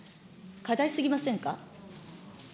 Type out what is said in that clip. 過大すぎませんか。